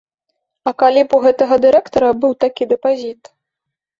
А калі б у гэтага дырэктара быў такі дэпазіт?